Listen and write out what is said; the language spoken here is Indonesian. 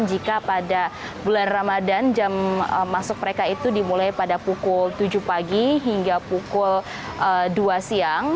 jika pada bulan ramadan jam masuk mereka itu dimulai pada pukul tujuh pagi hingga pukul dua siang